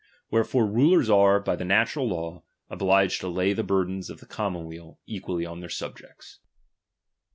'*tierefore rulers are, by the natural law, obliged tc> lay the burthens of the commonweal equally on ttieir subjects.